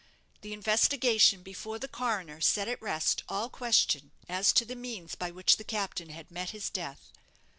The investigation before the coroner set at rest all question as to the means by which the captain had met his death.